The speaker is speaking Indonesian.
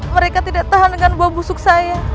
mereka tidak tahan dengan buah busuk saya